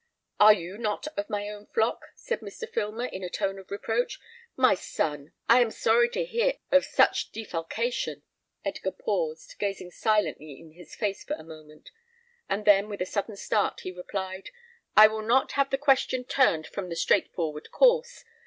"Are you not of my own flock?" asked Mr. Filmer, in a tone of reproach. "My son, I am sorry to hear of such a defalcation." Edgar paused, gazing silently in his face for a moment; and then, with a sudden start, he replied, "I will not have the question turned from the straightforward course.